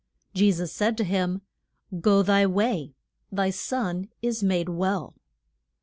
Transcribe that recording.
Je sus said to him, Go thy way, thy son is made well.